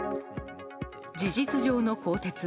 事実上の更迭。